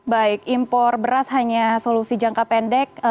baik impor beras hanya solusi jangka pendek